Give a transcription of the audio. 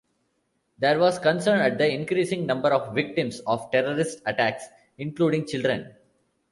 There was concern at the increasing number of victims of terrorist attacks, including children.